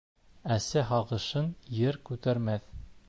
Әсә һағышын ер күтәрмәҫ.